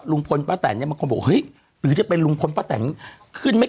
ลุงพลป้าแต่นบอกว่าหรือจะเป็นลุงพลป้าแต่นขึ้นไหม